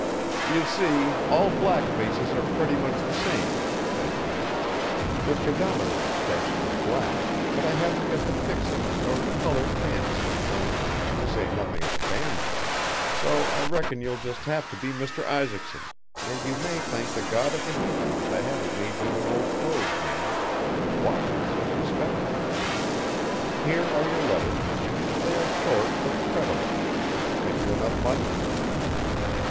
"You see, all black faces are pretty much the same," said he. "Their predominant expression is black, but I haven't got the fixings nor the coloured pants and things, to say nothing of a banjo, so I reckon you'll just have to be Mr. Isaacson, and you may thank the God of the Hebrews I haven't made you an old clothes man watches are respectable. Here are your letters, they are short but credible. Have you enough money?"